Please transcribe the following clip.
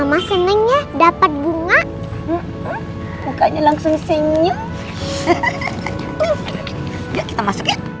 randy duluan ya